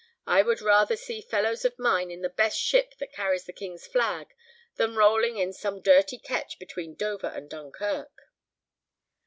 I would rather see fellows of mine in the best ship that carries the King's flag than rolling in some dirty ketch between Dover and Dunkirk."